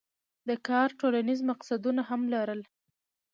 دا کار ټولنیز مقصدونه هم لرل.